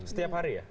setiap hari ya